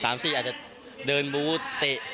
อาจจะเดินบูธเตะ